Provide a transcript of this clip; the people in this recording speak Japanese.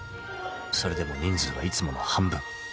［それでも人数はいつもの半分］